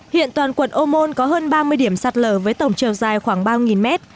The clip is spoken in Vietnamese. hiện toàn quận ô môn có hơn ba mươi điểm sạt lở với tổng chiều dài khoảng ba mét